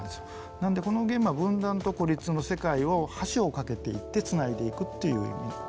なのでこのゲームは分断と孤立の世界を橋を架けていって繋いでいくっていう意味の。